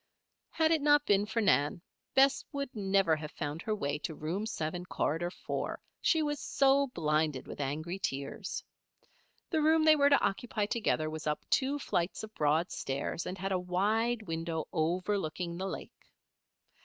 Had it not been for Nan, Bess would never have found her way to Room Seven, Corridor Four, she was so blinded with angry tears. The room they were to occupy together was up two flights of broad stairs, and had a wide window overlooking the lake.